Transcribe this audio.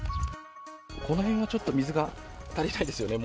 この辺はちょっと水が足りないですよね。